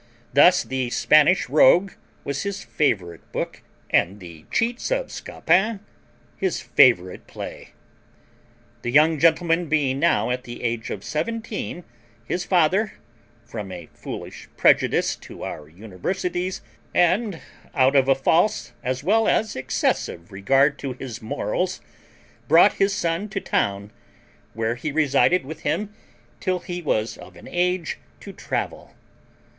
Thus the Spanish Rogue was his favourite book, and the Cheats of Scapin his favourite play. The young gentleman being now at the age of seventeen, his father, from a foolish prejudice to our universities, and out of a false as well as excessive regard to his morals, brought his son to town, where he resided with him till he was of an age to travel.